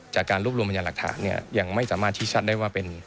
จากการรวบรวมพยานหลักฐานเนี่ยยังไม่สามารถชี้ชัดได้ว่าเป็น